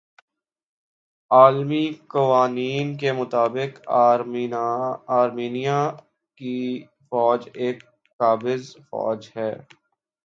عالمی قوانین کے مطابق آرمینیا کی فوج ایک قابض فوج ھے